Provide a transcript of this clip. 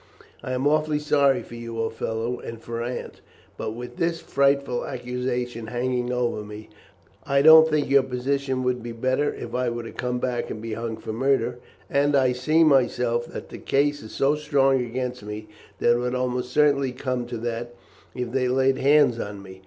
I am awfully sorry for you, old fellow, and for Aunt. But with this frightful accusation hanging over me, I don't think your position would be better if I were to come back and be hung for murder; and I see myself that the case is so strong against me that it would almost certainly come to that if they laid hands on me.